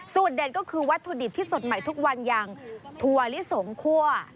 เด็ดก็คือวัตถุดิบที่สดใหม่ทุกวันอย่างถั่วลิสงคั่ว